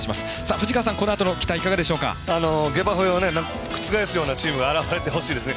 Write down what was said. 藤川さん、このあとの期待下馬評を覆すようなチームが現れてほしいですね。